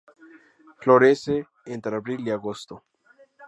Florece entre abril y agosto.